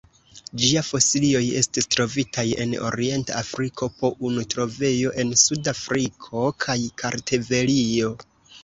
Ĝia fosilioj estis trovitaj en orienta Afriko, po unu trovejo en Sud-Afriko kaj Kartvelio.